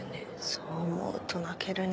そう思うと泣けるね。